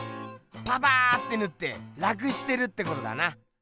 パパーッてぬって楽してるってことだな！